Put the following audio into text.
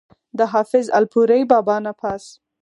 د حافظ الپورۍ بابا نه پس